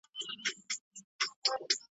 وي مي له سهاره تر ماښامه په خدمت کي .